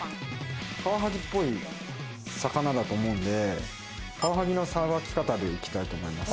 カワハギっぽい魚だと思うんで、カワハギのさばき方でいきたいと思います。